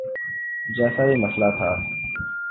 جیسا بھی مسئلہ تھا۔